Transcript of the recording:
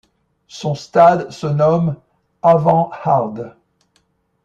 Son stade se nomme Avanhard.